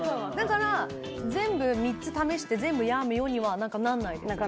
だから全部３つ試して全部やめようにはならないです。